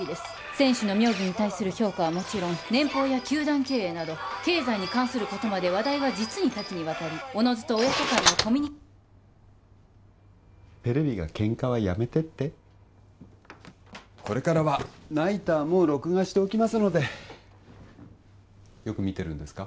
選手の妙技に対する評価はもちろん年俸や球団経営など経済に関することまで話題は実に多岐にわたりおのずと親子間のコミュニテレビが「ケンカはやめて」ってこれからはナイターも録画しておきますのでよく見てるんですか？